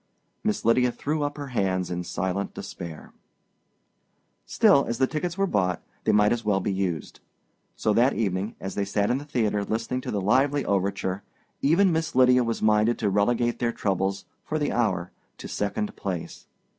Miss Lydia threw up her hands in silent despair. Still, as the tickets were bought, they might as well be used. So that evening, as they sat in the theater listening to the lively overture, even Miss Lydia was minded to relegate their troubles, for the hour, to second place.